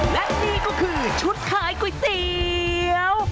และนี่ก็คือชุดขายก๋วยเตี๋ยว